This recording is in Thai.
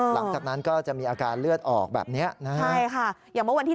หลังจากนั้นก็จะมีอาการเลือดออกแบบนี้นะ